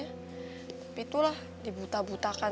tapi itulah dibutah butahkan